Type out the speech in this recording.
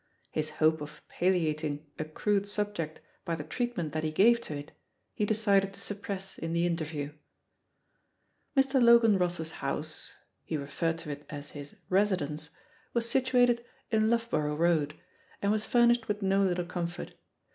His hope of palliating a crude subject by the treatment that he gave to it, he decided to suppress in the interview. Mr. Logan Ross's house — ^he referred to it as his "residence" — was situated in Loughborough Road, and was furnished with no little comfort.